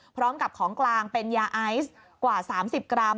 พร้อมกับของกลางเป็นยาไอซ์กว่า๓๐กรัม